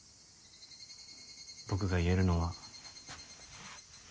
僕が言えるのは。